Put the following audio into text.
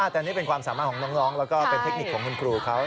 แต่นี่เป็นความสามารถของน้องแล้วก็เป็นเทคนิคของคุณครูเขา